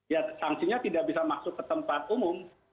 ya sanksinya tidak bisa masuk ke tempat umum